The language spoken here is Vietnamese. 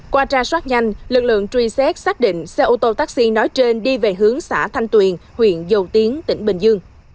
qua tra soát nhanh lực lượng truy xét xác định xe ô tô taxi nói trên đi về hướng xã thanh tuyền huyện dầu tiến tỉnh bình dương